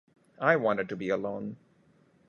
I wanted to be alone.